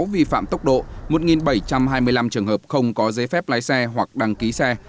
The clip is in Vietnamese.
một một trăm linh sáu vi phạm tốc độ một bảy trăm hai mươi năm trường hợp không có giấy phép lái xe hoặc đăng ký xe